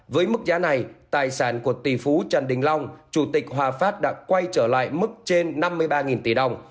với mức giá này tài sản của tỷ phú trần đình long chủ tịch hòa phát đã quay trở lại mức trên năm mươi ba tỷ đồng